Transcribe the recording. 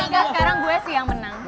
hingga sekarang gue sih yang menang